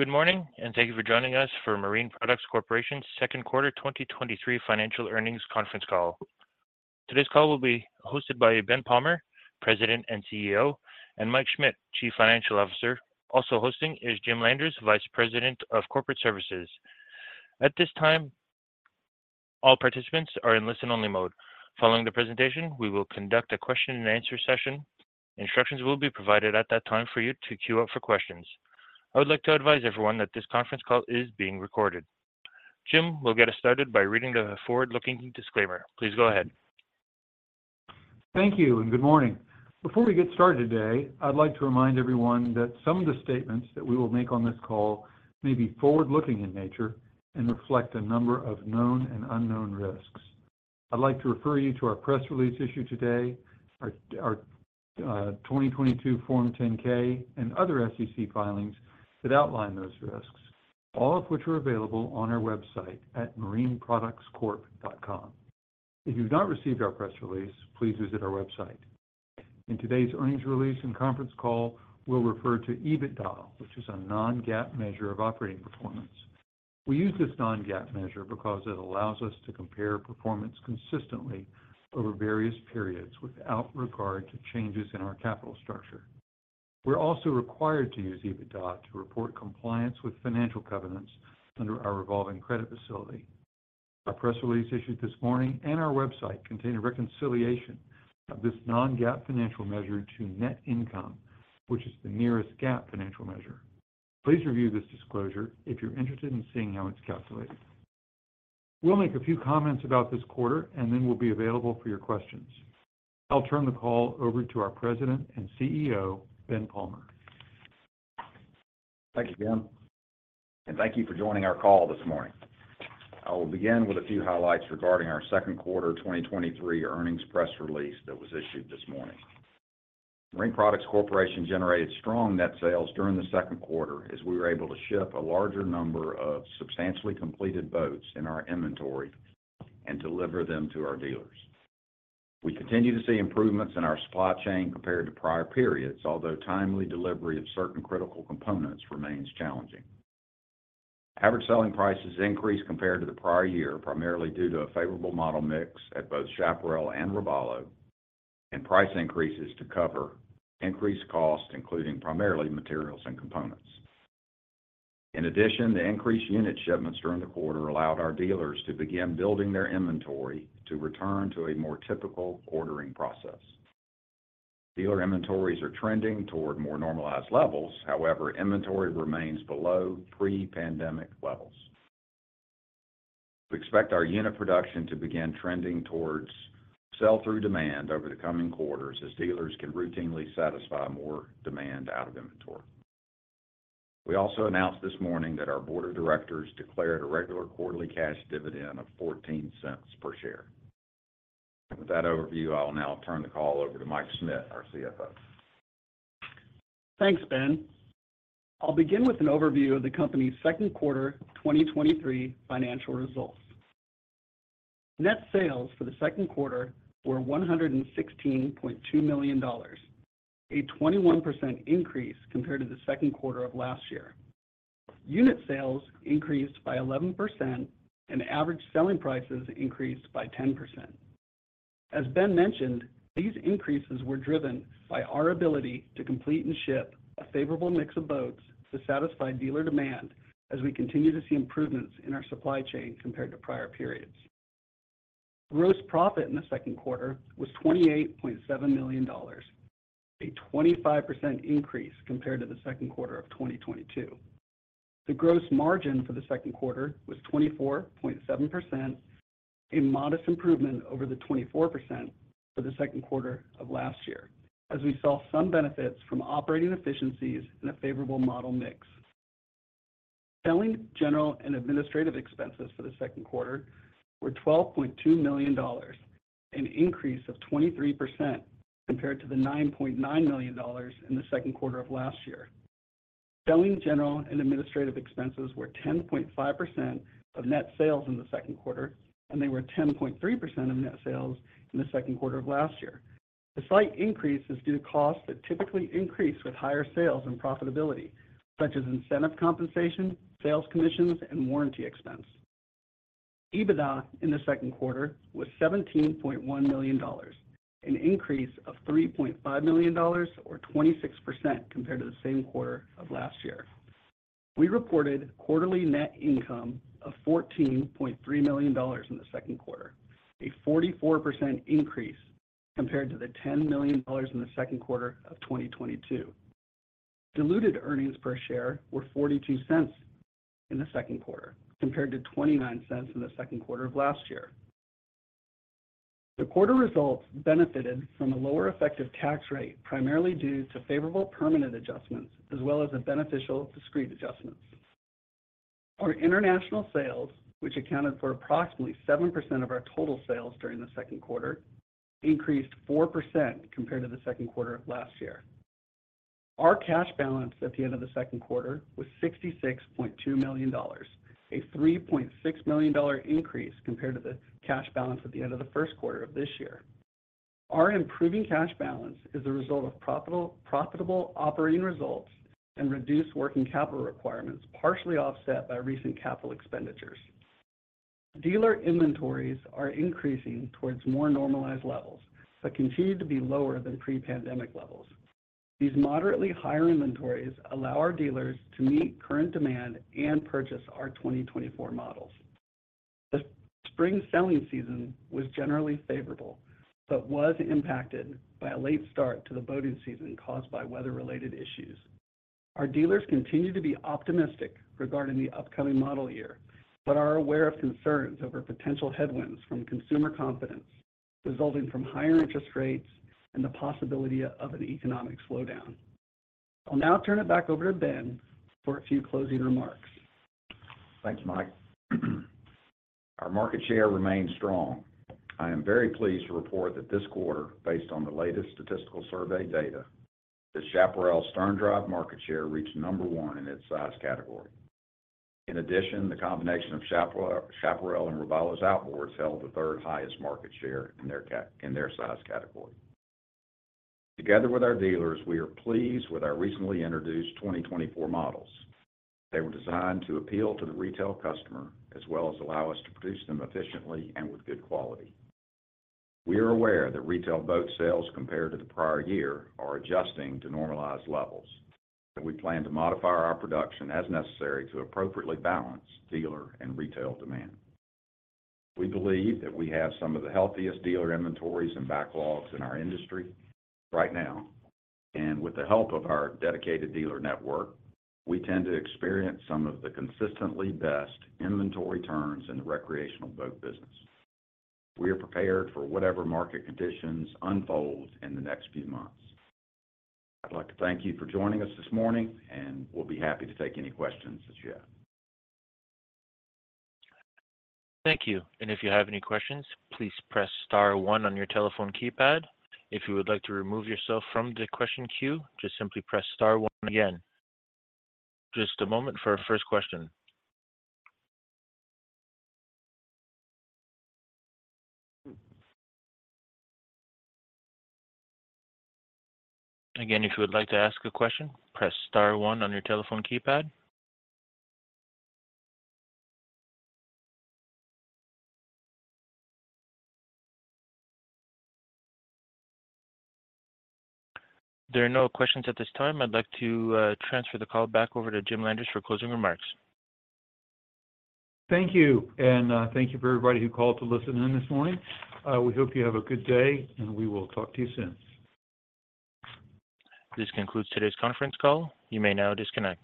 Good morning and thank you for joining us for Marine Products Corporation's second quarter 2023 financial earnings conference call. Today's call will be hosted by Ben Palmer, President and CEO, and Mike Schmit, Chief Financial Officer. Also, hosting is Jim Landers, Vice President of Corporate Services. At this time, all participants are in listen-only mode. Following the presentation, we will conduct a question-and-answer session. Instructions will be provided at that time for you to queue up for questions. I would like to advise everyone that this conference call is being recorded. Jim will get us started by reading the forward-looking disclaimer. Please go ahead. Thank you. Good morning. Before we get started today, I'd like to remind everyone that some of the statements that we will make on this call may be forward-looking in nature and reflect a number of known and unknown risks. I'd like to refer you to our press release issued today, our 2022 Form 10-K and other SEC filings that outline those risks, all of which are available on our website at marineproductscorp.com. If you've not received our press release, please visit our website. In today's earnings release and conference call, we'll refer to EBITDA, which is a non-GAAP measure of operating performance. We use this non-GAAP measure because it allows us to compare performance consistently over various periods without regard to changes in our capital structure. We're also required to use EBITDA to report compliance with financial covenants under our revolving credit facility. Our press release issued this morning and our website contain a reconciliation of this non-GAAP financial measure to net income, which is the nearest GAAP financial measure. Please review this disclosure if you're interested in seeing how it's calculated. We'll make a few comments about this quarter, and then we'll be available for your questions. I'll turn the call over to our President and CEO, Ben Palmer. Thank you, Jim, thank you for joining our call this morning. I will begin with a few highlights regarding our second quarter 2023 earnings press release that was issued this morning. Marine Products Corporation generated strong net sales during the second quarter as we were able to ship a larger number of substantially completed boats in our inventory and deliver them to our dealers. We continue to see improvements in our supply chain compared to prior periods, although timely delivery of certain critical components remains challenging. Average selling prices increased compared to the prior year, primarily due to a favorable model mix at both Chaparral and Robalo, and price increases to cover increased costs, including primarily materials and components. In addition, the increased unit shipments during the quarter allowed our dealers to begin building their inventory to return to a more typical ordering process. Dealer inventories are trending toward more normalized levels. However, inventory remains below pre-pandemic levels. We expect our unit production to begin trending towards sell-through demand over the coming quarters as dealers can routinely satisfy more demand out of inventory. We also announced this morning that our board of directors declared a regular quarterly cash dividend of $0.14 per share. With that overview, I will now turn the call over to Mike Schmit, our CFO. Thanks, Ben. I'll begin with an overview of the company's second quarter 2023 financial results. Net sales for the second quarter were $116.2 million, a 21% increase compared to the second quarter of last year. Unit sales increased by 11%, average selling prices increased by 10%. As Ben mentioned, these increases were driven by our ability to complete and ship a favorable mix of boats to satisfy dealer demand as we continue to see improvements in our supply chain compared to prior periods. Gross profit in the second quarter was $28.7 million, a 25% increase compared to the second quarter of 2022. The gross margin for the second quarter was 24.7%, a modest improvement over the 24% for the second quarter of last year, as we saw some benefits from operating efficiencies and a favorable model mix. Selling, general, and administrative expenses for the second quarter were $12.2 million, an increase of 23% compared to the $9.9 million in the second quarter of last year. Selling, general, and administrative expenses were 10.5% of net sales in the second quarter, and they were 10.3% of net sales in the second quarter of last year. The slight increase is due to costs that typically increase with higher sales and profitability, such as incentive compensation, sales commissions, and warranty expense. EBITDA in the second quarter was $17.1 million, an increase of $3.5 million, or 26%, compared to the same quarter of last year. We reported quarterly net income of $14.3 million in the second quarter; a 44% increase compared to the $10 million in the second quarter of 2022. Diluted earnings per share were $0.42 in the second quarter, compared to $0.29 in the second quarter of last year. The quarter results benefited from a lower effective tax rate, primarily due to favorable permanent adjustments as well as a beneficial discrete adjustments. Our international sales, which accounted for approximately 7% of our total sales during the second quarter, increased 4% compared to the second quarter of last year. Our cash balance at the end of the second quarter was $66.2 million, a $3.6 million increase compared to the cash balance at the end of the first quarter of this year. Our improving cash balance is a result of profitable operating results and reduced working capital requirements, partially offset by recent capital expenditures. Dealer inventories are increasing towards more normalized levels, but continue to be lower than pre-pandemic levels. These moderately higher inventories allow our dealers to meet current demand and purchase our 2024 models. The spring selling season was generally favorable, but was impacted by a late start to the boating season caused by weather-related issues. Our dealers continue to be optimistic regarding the upcoming model year, but are aware of concerns over potential headwinds from consumer confidence, resulting from higher interest rates and the possibility of an economic slowdown. I'll now turn it back over to Ben for a few closing remarks. Thanks, Mike. Our market share remains strong. I am very pleased to report that this quarter, based on the latest statistical survey data, the Chaparral sterndrive market share reached number one in its size category. In addition, the combination of Chaparral and Robalo's outboards held the third highest market share in their size category. Together with our dealers, we are pleased with our recently introduced 2024 models. They were designed to appeal to the retail customer, as well as allow us to produce them efficiently and with good quality. We are aware that retail boat sales compared to the prior year are adjusting to normalized levels, and we plan to modify our production as necessary to appropriately balance dealer and retail demand. We believe that we have some of the healthiest dealer inventories and backlogs in our industry right now, and with the help of our dedicated dealer network, we tend to experience some of the consistently best inventory turns in the recreational boat business. We are prepared for whatever market conditions unfold in the next few months. I'd like to thank you for joining us this morning, and we'll be happy to take any questions that you have. Thank you, and if you have any questions, please press star one on your telephone keypad. If you would like to remove yourself from the question queue, just simply press star one again. Just a moment for our first question. Again, if you would like to ask a question, press star one on your telephone keypad. There are no questions at this time. I'd like to transfer the call back over to Jim Landers for closing remarks. Thank you, and, thank you for everybody who called to listen in this morning. We hope you have a good day, and we will talk to you soon. This concludes today's conference call. You may now disconnect.